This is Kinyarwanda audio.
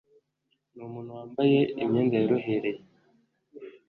Ni umuntu wambaye imyenda yorohereye?